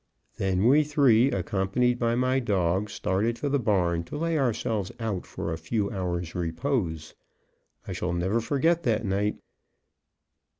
Then we three, accompanied by my dog, started for the barn to lay ourselves out for a few hours' repose. I shall never forget that night.